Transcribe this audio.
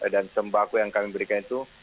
dan sembako yang kami berikan itu